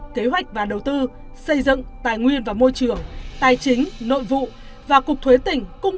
kế hoạch và đầu tư xây dựng tài nguyên và môi trường tài chính nội vụ và cục thuế tỉnh cung